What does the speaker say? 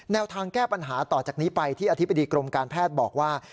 แนวทางแก้ปัญหาต่อจากนี้ไปที่อธิบดีกรมการแพทย์บอกว่า